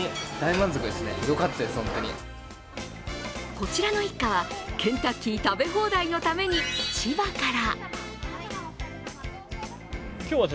こちらの一家はケンタッキー食べ放題のために千葉から。